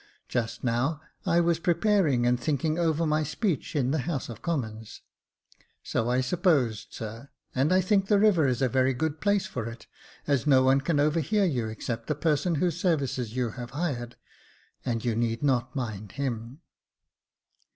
Just now I was preparing and thinking over my speech in the House of Commons." " So I supposed, sir, and I think the river is a very good place for it, as no one can overhear you except the person whose services you have hired — and you need not mind him."